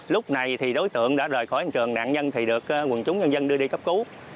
lúc này thì đối tượng đã rời khỏi hiện trường nạn nhân thì được quần chúng nhân dân đưa đi cấp cứu